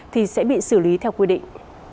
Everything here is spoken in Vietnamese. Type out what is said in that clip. thì sẽ bị xử lý theo quy định